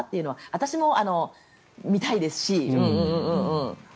私も見たいですし。